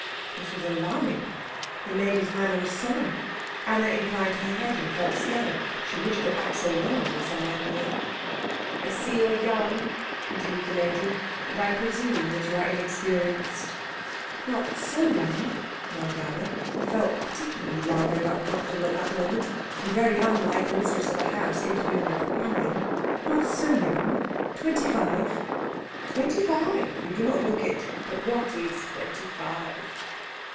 This was alarming. The lady's manner was solemn. Anna inclined her head, and felt scared. She wished that Axel Lohm were somewhere near. "I see you are young," continued the lady, "and I presume that you are inexperienced." "Not so young," murmured Anna, who felt particularly young and uncomfortable at that moment, and very unlike the mistress of a house interviewing a companion. "Not so young twenty five." "Twenty five? You do not look it. But what is twenty five?"